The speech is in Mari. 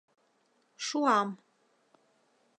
Шуам.